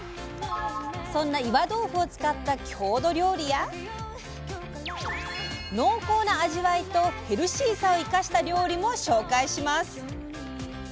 そんな岩豆腐を使った郷土料理や濃厚な味わいとヘルシーさを生かした料理も紹介します。